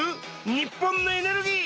日本のエネルギー。